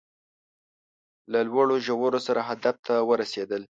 له لوړو ژورو سره هدف ته ورسېدل